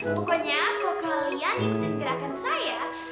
pokoknya kok kalian ikutin gerakan saya